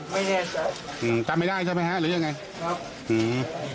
ไม่แน่ใจอืมจำไม่ได้ใช่ไหมฮะหรือยังไงครับอืม